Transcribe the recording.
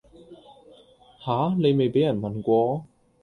吓!你未畀人問過?